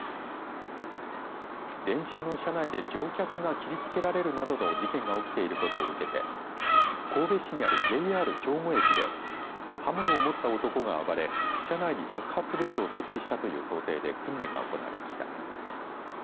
電車の車内で乗客が切りつけられるなどの事件が起きていることを受けて神戸市にあるＪＲ兵庫駅で刃物を持った男が暴れ車内に爆発物を設置したという想定で訓練が行われました。